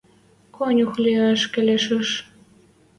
Конюх лиӓш келеш ыш